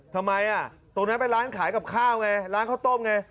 ทำไมตรงนั้นเป็นร้านขายกับข้าวไงร้านข้าวต้มไง